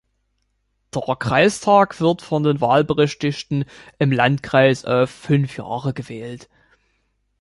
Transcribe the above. Der Kreistag wird von den Wahlberechtigten im Landkreis auf fünf Jahre gewählt.